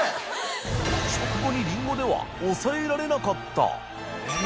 秧紊リンゴでは抑えられなかった磴